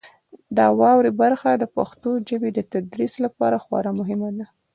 د واورئ برخه د پښتو ژبې د تدریس لپاره خورا مهمه ده.